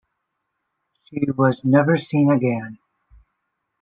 She was never seen again.